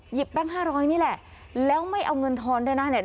หยิบแบงค์ห้าร้อยนี่แหละแล้วไม่เอาเงินทอนด้วยนะเนี่ย